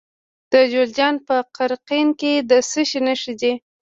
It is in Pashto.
د جوزجان په قرقین کې د څه شي نښې دي؟